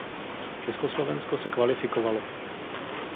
Československo se kvalifikovalo.